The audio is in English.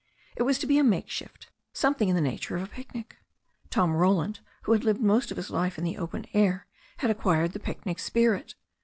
It was to be a makeshift, something in the nature of a picnic. Tom Roland, who had lived most of his life in the open air, had acquired the picnic spirit.